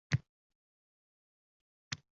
Bu baʼzi insonlarga qoʻl keladi.